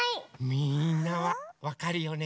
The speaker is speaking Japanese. みんなはわかるよね？